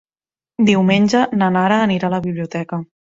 Diumenge na Nara anirà a la biblioteca.